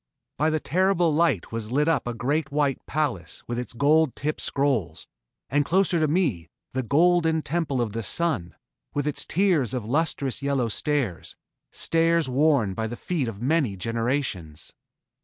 By the terrible light was lit up a great white palace with its gold tipped scrolls, and closer to me, the golden temple of the Sun, with its tiers of lustrous yellow stairs stairs worn by the feet of many generations.